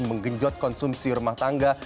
menggenjot konsumsi rumah tangga